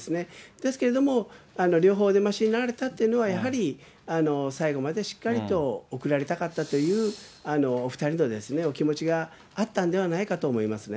ですけれども、両方お出ましになられたっていうのは、やはり最後までしっかりと送られたかったという、お２人のお気持ちがあったんではないかと思いますね。